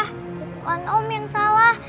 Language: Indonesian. bukan om yang salah